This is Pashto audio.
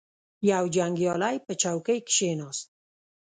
یو جنګیالی په چوکۍ کښیناست.